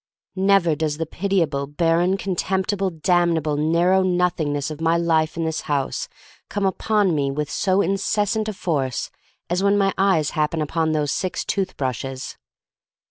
Never does the pitiable, barren, con temptible, damnable, narrow Nothing ness of my life in this house come upon me with so intense a force as when my eyes happen upon those six tooth brushes.